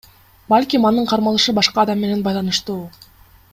Балким, анын кармалышы башка адам менен байланыштуу.